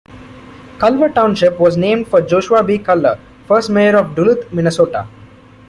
Culver Township was named for Joshua B. Culver, first mayor of Duluth, Minnesota.